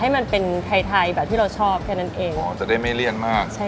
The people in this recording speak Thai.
ให้มันเป็นไทยไทยแบบที่เราชอบแค่นั้นเองอ๋อจะได้ไม่เลี่ยนมากใช่